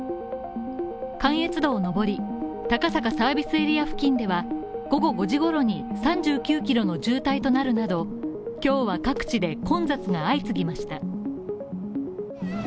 関越道上り高坂サービスエリア付近では、午後５時ごろに３９キロの渋滞となるなど、今日は各地で混雑が相次ぎました。